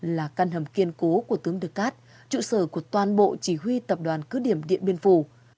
là căn hầm kiên cố của tướng đờ cát trụ sở của toàn bộ chỉ huy tập đoàn cứ điểm điện biên phủ